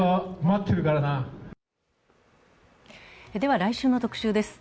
来週の特集です。